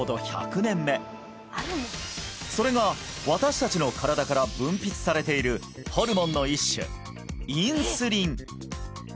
今年はそれが私達の身体から分泌されているホルモンの一種インスリン